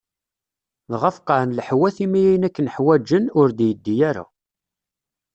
Dγa feqqeεen leḥwat imi ayen akken ḥwağen, ur d-yeddi ara.